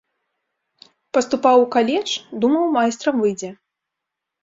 Паступаў у каледж, думаў майстрам выйдзе.